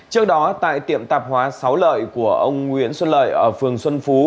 trước đó tại tiệm tạp hóa sáu lợi của ông nguyễn xuân lợi ở phường xuân phú